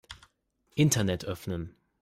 Internet öffnen.